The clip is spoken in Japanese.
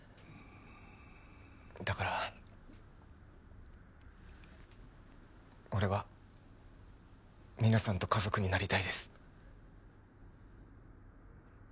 だから俺は皆さんと家族になりたいです。